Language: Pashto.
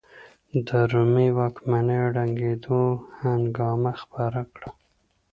د رومي واکمنۍ ړنګېدو هنګامه خپره کړه.